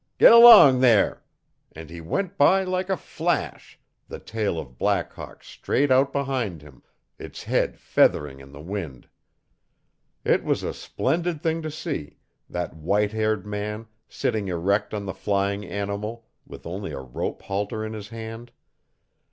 'G'lang there!' and he went by, like a flash, the tail of Black Hawk straight out behind him, its end feathering in the wind. It was a splendid thing to see that white haired man, sitting erect on the flying animal, with only a rope halter in his hand.